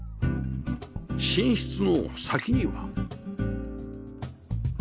寝室の先には